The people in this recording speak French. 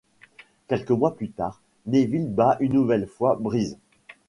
Quelques mois plus tard, Neville bat une nouvelle fois Breeze.